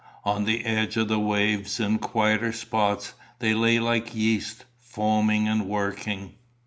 On the edge of the waves, in quieter spots, they lay like yeast, foaming and working.